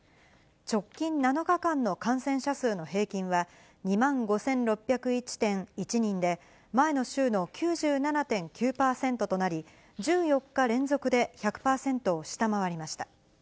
直近７日間の感染者数の平均は、２万５６０１．１人で、前の週の９７．９％となり、１４日連続で１００％を下回りました。